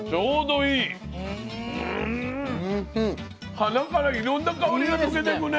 鼻からいろんな香りが抜けてくね。